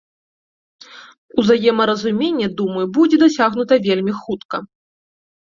Узаемаразуменне, думаю, будзе дасягнута вельмі хутка.